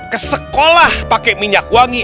ke sekolah pakai minyak wangi